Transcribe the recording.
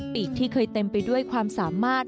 ปีกที่เคยเต็มไปด้วยความสามารถ